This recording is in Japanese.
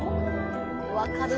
分かるわ。